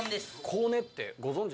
「コウネってご存じ？」